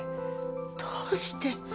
どうして？